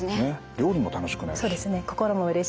料理も楽しくなるし。